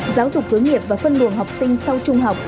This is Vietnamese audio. giáo dục hướng nghiệp và phân luồng học sinh sau trung học